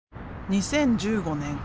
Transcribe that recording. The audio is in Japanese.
２０１５年